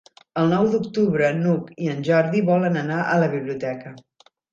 El nou d'octubre n'Hug i en Jordi volen anar a la biblioteca.